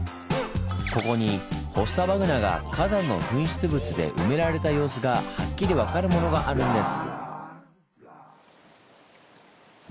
ここにフォッサマグナが火山の噴出物で埋められた様子がはっきり分かるものがあるんです。